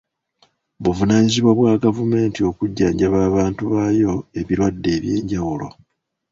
Buvunaanyizibwa bwa gavumenti okujjanjaba abantu baayo ebirwadde eby'enjawulo.